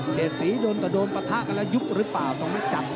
เสียดสีโดนแต่โดนปะทะกันแล้วยุบหรือเปล่าตรงนั้นจับ